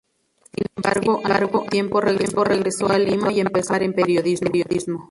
Sin embargo, al poco tiempo regresó a Lima y empezó a trabajar en periodismo.